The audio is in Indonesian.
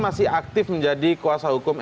masih aktif menjadi kuasa hukum